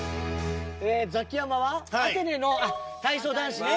ザキヤマはアテネのあっ体操男子ね。